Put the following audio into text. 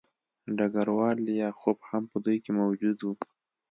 ډګروال لیاخوف هم په دوی کې موجود و